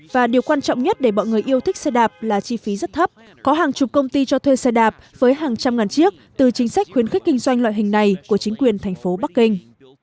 và điều quan trọng nhất để mọi người yêu thích xe đạp là chi phí rất thấp có hàng chục công ty cho thuê xe đạp với hàng trăm ngàn chiếc từ chính sách khuyến khích kinh doanh loại hình này của chính quyền thành phố bắc kinh